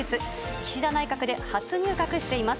岸田内閣で初入閣しています。